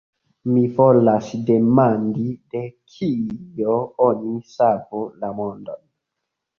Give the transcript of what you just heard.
Mi volas demandi, de kio oni savu la mondon.